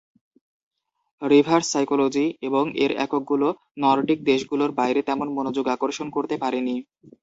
Reverse psychology এবং এর এককগুলো নর্ডিক দেশগুলোর বাইরে তেমন মনোযোগ আকর্ষণ করতে পারেনি।